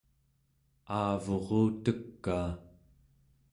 aavurutekaa